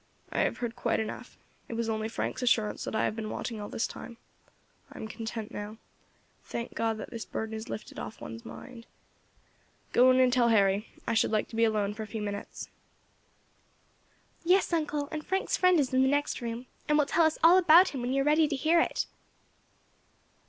"I have heard quite enough; it was only Frank's assurance that I have been wanting all this time. I am content now. Thank God that this burden is lifted off one's mind. Go in and tell Harry; I should like to be alone for a few minutes." "Yes, uncle; and Frank's friend is in the next room, and will tell us all about him when you are ready to hear it."